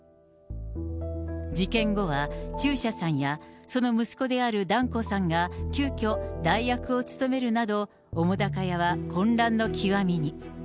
事件後は中車さんやその息子である團子さんが急きょ、代役を務めるなど、澤瀉屋は混乱の極みに。